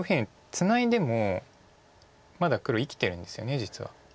ツナいでもまだ黒生きてるんですよね実は。